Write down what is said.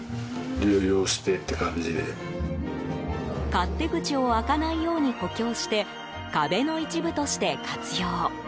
勝手口を開かないように補強して、壁の一部として活用。